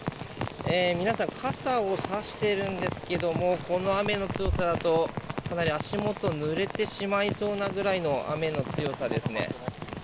皆さん傘をさしているんですけれどもこの雨の強さだと、かなり足元ぬれてしまいそうなぐらいの雨の強さですね。